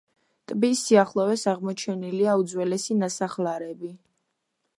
ტბის სიახლოვეს აღმოჩენილია უძველესი ნასახლარები.